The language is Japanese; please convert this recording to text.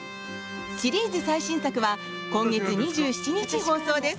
シリーズ最新作は今月２７日放送です。